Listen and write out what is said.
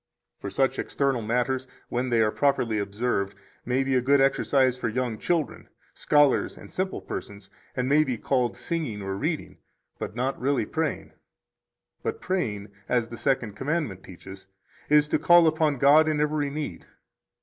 For such external matters, when they are properly observed, may be a good exercise for young children, scholars, and simple persons, and may be called singing or reading, but not really praying. 8 But praying, as the Second Commandment teaches, is to call upon God in every need.